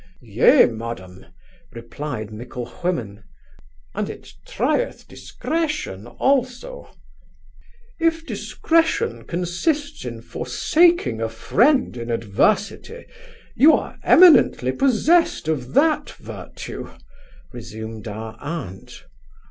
'Yea, madam (replied Micklewhimmen); and it trieth discretion also' 'If discretion consists in forsaking a friend in adversity, you are eminently possessed of that virtue' (resumed our aunt).